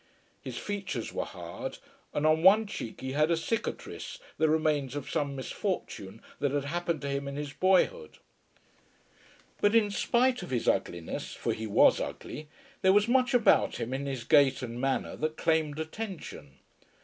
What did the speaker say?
His features were hard, and on one cheek he had a cicatrice, the remains of some misfortune that had happened to him in his boyhood. But in spite of his ugliness, for he was ugly, there was much about him in his gait and manner that claimed attention.